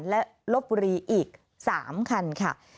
และลบบุรีอีก๓คันค่ะ